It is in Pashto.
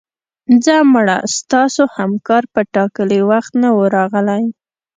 ځه مړه ستاسو همکار په ټاکلي وخت نه و راغلی